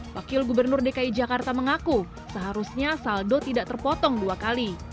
wakil gubernur dki jakarta mengaku seharusnya saldo tidak terpotong dua kali